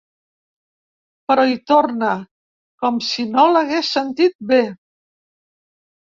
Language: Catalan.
Però hi torna, com si no l'hagués sentit bé.